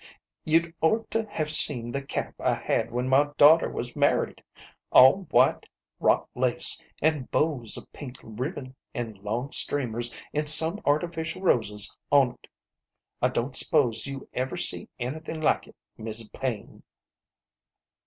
You'd orter have seen the cap I had when my daughter was mar ried ! All white wrought lace, an' bows of pink ribbon, an' long streamers, an' some artificial roses on't. I don't s'pose you ever see anythin' like it, Mis' Paine."